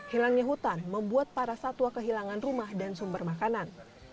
hilangnya hutan membuat para satwa kehilangan rumah dan sumber makanan